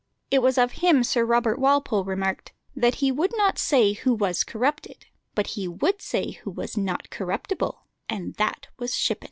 It was of him Sir Robert Walpole remarked "that he would not say who was corrupted, but he would say who was not corruptible, and that was Shippen."